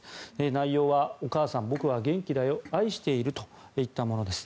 内容は、お母さん、僕は元気だよ愛しているといったものです。